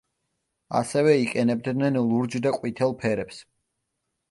ასევე იყენებდნენ ლურჯ და ყვითელ ფერებს.